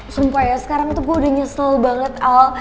serupa ya sekarang tuh gue udah nyesel banget al